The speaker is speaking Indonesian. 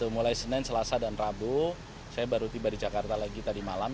mulai senin selasa dan rabu saya baru tiba di jakarta lagi tadi malam